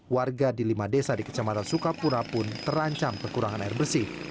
warga di lima desa di kecamatan sukapura pun terancam kekurangan air bersih